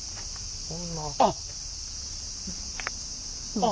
あっ！